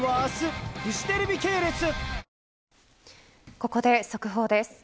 ここで速報です。